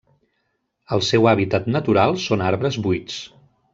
El seu hàbitat natural són arbres buits.